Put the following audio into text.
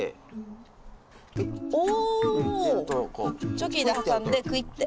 チョキで挟んでクイッて。